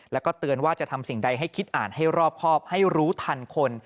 แล้วก็เตือนว่าจะทำสิ่งใดให้คิดอ่านให้รอบครอบให้รู้ทันคน